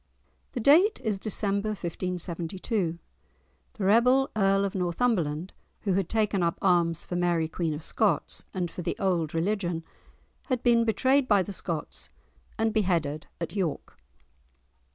The date is December 1572. The rebel Earl of Northumberland, who had taken up arms for Mary Queen of Scots, and for the old religion, had been betrayed by the Scots and beheaded at York.